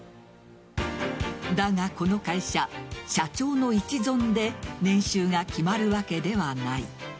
だが、この会社社長の一存で年収が決まるわけではない。